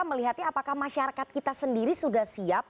melihatnya apakah masyarakat kita sendiri sudah siap